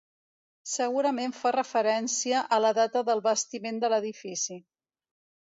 Segurament fa referència a la data del bastiment de l'edifici.